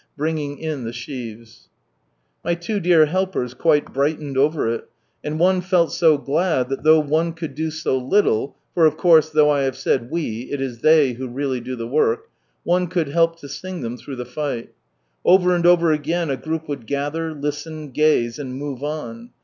Bringing in tie i/iiaiici!" k!n.ih ^Jf I Not Yet — Ere Long 119 My tvo dear helpers quite brightened over it, and one felt so glad that though one could do so little (for, of course, though I have said "we" it is Ihey who really do the work) one could help to sing ihein through the fight. Over and over again a group would gather, listen, gaze, and move on.